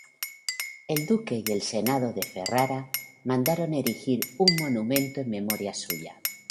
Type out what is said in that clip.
El duque y el senado de Ferrara mandaron erigir un monumento en memoria suya.